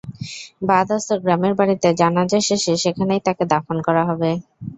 বাদ আসর গ্রামের বাড়িতে জানাজা শেষে সেখানেই তাঁকে দাফন করা হবে।